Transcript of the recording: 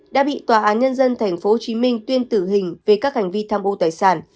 đã bị tòa án nhân dân tp hcm tuyên tử hình về các hành vi tham ô tài sản